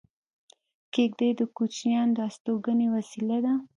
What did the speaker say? کېږدۍ د کوچیانو د استوګنې وسیله ده